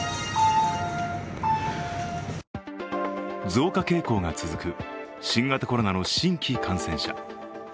増加傾向が続く新型コロナの新規感染者。